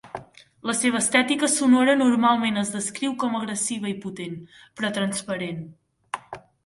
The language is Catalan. La seva estètica sonora normalment es descriu com a agressiva i potent, però transparent.